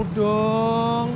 mas pur mau